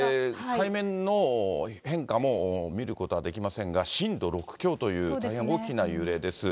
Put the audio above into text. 海面の変化も見ることはできませんが、震度６強という大変大きな揺れです。